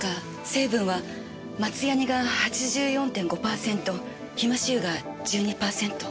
成分は松ヤニが８４．５パーセントヒマシ油が１２パーセント。